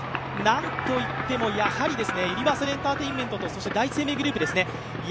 なんといっても、やはりユニバーサルエンターテインメントと第一生命グループですね。